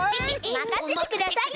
まかせてくださいよ。